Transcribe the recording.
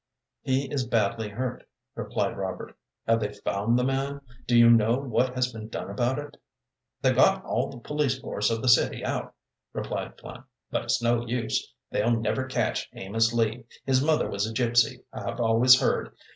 "He is badly hurt," replied Robert. "Have they found the man? Do you know what has been done about it?" "They've got all the police force of the city out," replied Flynn, "but it's no use. They'll never catch Amos Lee. His mother was a gypsy, I've always heard.